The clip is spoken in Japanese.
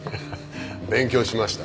勉強しました。